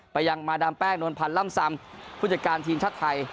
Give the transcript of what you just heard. ยังมาดามแป้งนวลพันธ์ล่ำซำผู้จัดการทีมชาติไทย